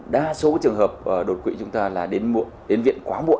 đa số trường hợp đột quỵ chúng ta là đến viện quá muộn